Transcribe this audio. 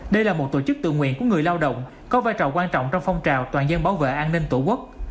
đây là một tổ chức tự nguyện của người lao động có vai trò quan trọng trong phong trào toàn dân bảo vệ an ninh tổ quốc